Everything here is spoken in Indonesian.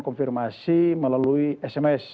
konfirmasi melalui sms